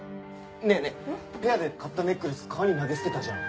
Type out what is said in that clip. ねえねえペアで買ったネックレス川に投げ捨てたじゃん？